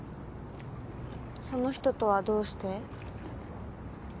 その人とはどうして？